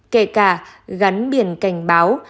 kể cả gắn biển cảnh báo